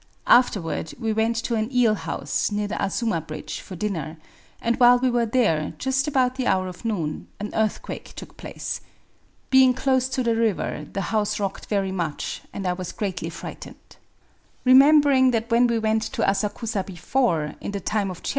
Afterward we went to an eel house, near the Azuma bridge, for dinner; and while we were there — just about the hour of noon — an earth quake took place. Being close to the river, the house rocked very much ; and I was greatly frightened. ^ The Kanazawa tei is a public hall in the Yotsuya quarter.